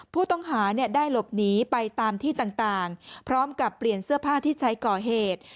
ผู้ต้องหาได้หลบหนีไปตามที่ต่างพร้อมกับเปลี่ยนเสื้อผ้าที่ใช้ก่อเหตุ